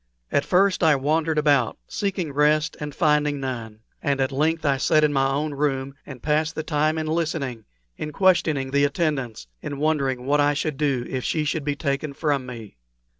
At first I wandered about, seeking rest and finding none; and at length I sat in my own room, and passed the time in listening, in questioning the attendants, in wondering what I should do if she should be taken from me.